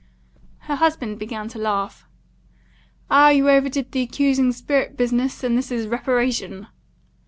Her husband began to laugh. "Ah, you overdid the accusing spirit business, and this is reparation."